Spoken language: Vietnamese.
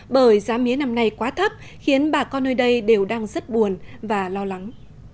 bởi giá mía năm nay quá thấp khiến bà con nơi đây đều đang rất buồn và lo lắng